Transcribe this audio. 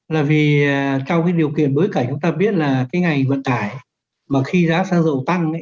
là vì trong cái điều kiện bối cảnh chúng ta biết là cái ngành vận tải mà khi giá xăng dầu tăng ấy